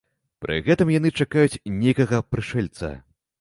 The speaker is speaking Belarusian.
Пры гэтым яны чакаюць нейкага прышэльца.